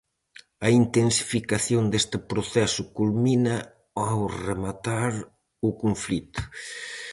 A intensificación deste proceso culmina ó rematar o conflito.